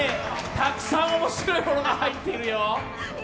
たくさん面白いものが入ってるよ。